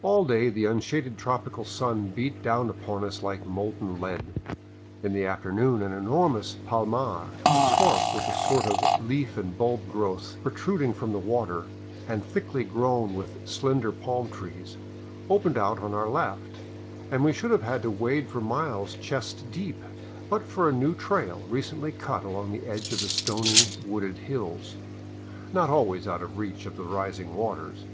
All day the unshaded tropical sun beat down upon us like molten lead. In the afternoon an enormous palmar, — a swamp with a sort of leaf and bulb growth protruding from the water and thickly grown with slender palm trees — opened out on our left and we should have had to wade for miles chest deep but for a new trail recently cut along the edge of the stony, wooded hills, not always out of reach of the rising waters.